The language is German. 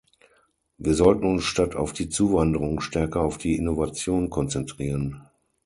Wir sollten uns statt auf die Zuwanderung stärker auf die Innovation konzentrieren.